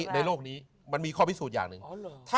โลกนี้มันมีข้อพิสูจน์อย่างหนึ่ง